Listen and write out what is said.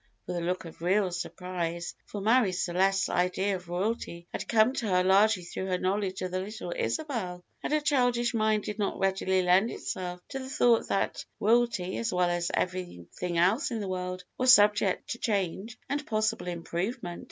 with a look of real surprise, for Marie Celeste's idea of royalty had come to her largely through her knowledge of the little Isabel; and her childish mind did not readily lend itself to the thought that royalty, as well as everything else in the world, was subject to change and possible improvement.